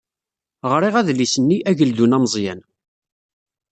Ɣriɣ adlis-nni Ageldun ameẓyan.